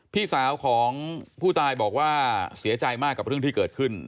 พี่สาวของผู้ตายบอกว่าเสียใจมากกับเรื่องที่เกิดขึ้น